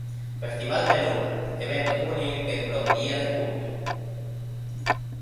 Festival de Luna: evento juvenil que dura un día de junio.